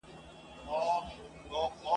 یو دی ښه وي نور له هر چا ګیله من وي !.